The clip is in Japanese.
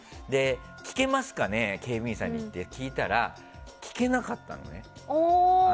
聞けますかね警備員さんにって聞いたら聞けなかったのね。